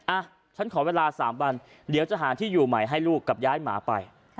อ่ะฉันขอเวลา๓วันเดี๋ยวจะหาที่อยู่ใหม่ให้ลูกกับย้ายหมาไป